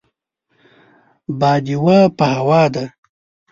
باديوه په هوا ده.